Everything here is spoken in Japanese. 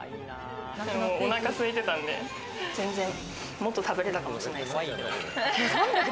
お腹すいてたんで、全然、もっと食べれたかもしれないです。